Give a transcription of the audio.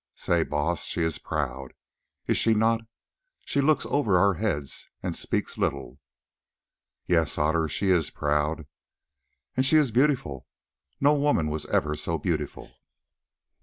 Say, Baas, she is proud, is she not? She looks over our heads and speaks little." "Yes, Otter, she is proud." "And she is beautiful; no woman was ever so beautiful."